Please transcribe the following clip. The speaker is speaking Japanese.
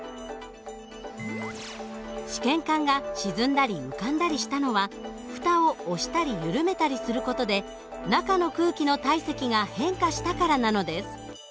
試験管が沈んだり浮かんだりしたのは蓋を押したり緩めたりする事で中の空気の体積が変化したからなのです。